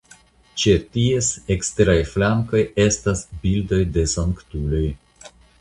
Ĉe ties eksteraj flankoj estas bildoj de sanktuloj.